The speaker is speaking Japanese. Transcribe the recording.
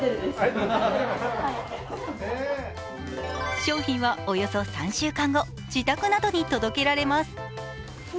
商品はおよそ３週間後、自宅などに届けられます。